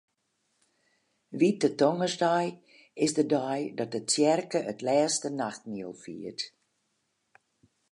Wite Tongersdei is de dei dat de tsjerke it Lêste Nachtmiel fiert.